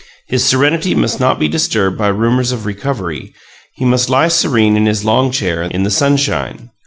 His serenity must not be disturbed by rumors of recovery; he must lie serene in his long chair in the sunshine.